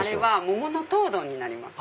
桃の糖度になります。